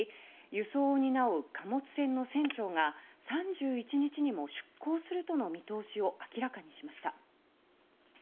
輸送を担う貨物船の船長が３１日にも出港するとの見通しを明らかにしました。